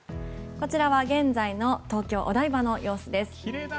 こちらは現在の東京・台場の様子です。